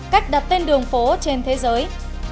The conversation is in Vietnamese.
cách đặt tên đường phố trên thế giới